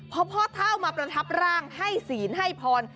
พอพ่อเท่ามาประทับร่างให้ศีลให้พร